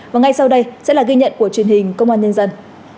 và ngay sau đây sẽ là ghi nhận của truyền hình công an nhân dân